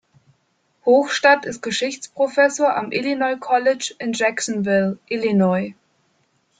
Hochstadt ist Geschichtsprofessor am Illinois College in Jacksonville, Illinois.